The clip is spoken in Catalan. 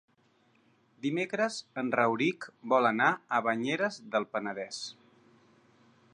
Dimecres en Rauric vol anar a Banyeres del Penedès.